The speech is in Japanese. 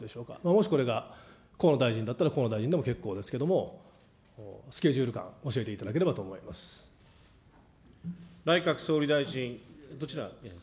もしこれが河野大臣だったら、河野大臣でも結構ですけども、スケジュール感、内閣総理大臣。